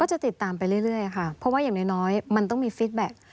จะติดตามไปเรื่อยค่ะเพราะว่าอย่างน้อยมันต้องมีฟิตแบ็ค